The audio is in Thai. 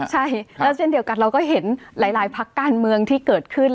ใช่แล้วเช่นเดียวกันเราก็เห็นหลายพักการเมืองที่เกิดขึ้น